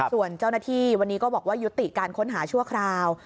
ส่วนเจ้าหน้าที่วันนี้ก็บอกว่ายุติการค้นหาชั่วคราว